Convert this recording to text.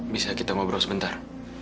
bisa kita ngobrol sebentar